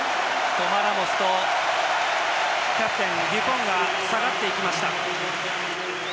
トマ・ラモスとキャプテンのデュポンが下がっていきました。